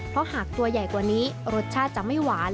เพราะหากตัวใหญ่กว่านี้รสชาติจะไม่หวาน